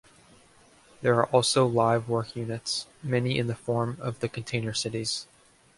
There are also live-work units, many in the form of the Container Cities.